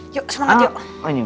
yuk semangat yuk